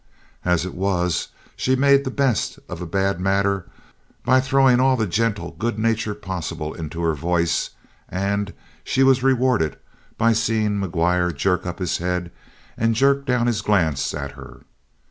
As it was, she made the best of a bad matter by throwing all the gentle good nature possible into her voice, and she was rewarded by seeing McGuire jerk up his head and jerk down his glance at her.